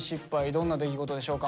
どんな出来事でしょうか？